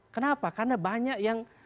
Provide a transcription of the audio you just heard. kenapa karena banyak yang